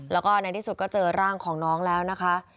แล้วก็ในที่สุดก็เจอร่างของน้องแล้วนะคะ